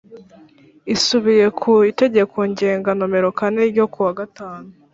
Isubiye ku Itegeko Ngenga nomero kane ryo kuwa gatanu